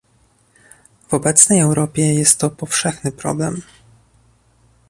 W obecnej Europie jest to powszechny problem